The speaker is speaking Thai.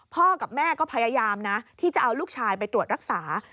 กับแม่ก็พยายามนะที่จะเอาลูกชายไปตรวจรักษา